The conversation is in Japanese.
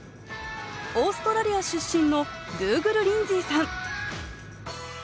オーストラリア出身のドゥーグル・リンズィーさん